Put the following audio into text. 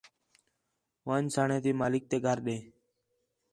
ون٘ڄسݨ تی مالک تے گھر ݙے